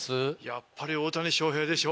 やっぱり大谷翔平でしょ。